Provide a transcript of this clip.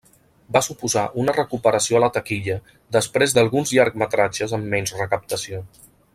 Va suposar una recuperació a la taquilla després d'alguns llargmetratges amb menys recaptació.